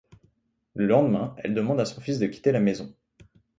Le lendemain, elle demande à son fils de quitter la maison.